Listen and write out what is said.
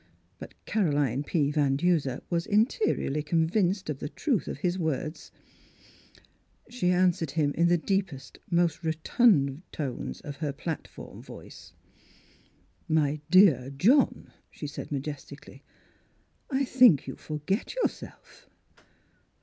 But Caroline P. Van Duser was interiorly convinced of the truth of his words. She answered him in the deepest; most rotund tones of her platform voice. Miss Philura's IV ed ding Gown " My dear John," she said majestically, " I think you forget yourself."